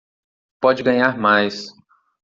Pode ganhar mais